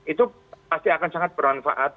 itu pasti akan sangat bermanfaat